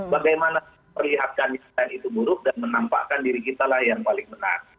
bagaimana melihatkan yang buruk dan menampakkan diri kita yang paling benar